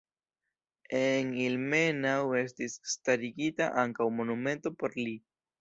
En Ilmenau estis starigita ankaŭ monumento por li.